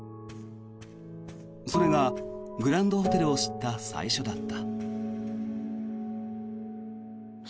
それがグランドホテルを知った最初だった。